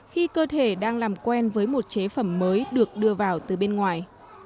khi cơ thể đang làm quen với một chế phẩm mới được đưa vào từ bên ngoài